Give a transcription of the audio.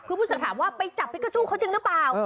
คือผู้ชายถามว่าไปจับพิการ์จูเขาจริงหรือเปล่า